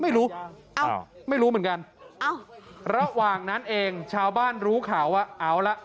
ไม่รู้อ้าวไม่รู้เหมือนกันเอ้าระหว่างนั้นเองชาวบ้านรู้ข่าวว่าเอาละ